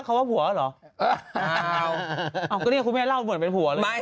อ้าวก็เรียกคุณแม่เล่าเหมือนเป็นผัวเลย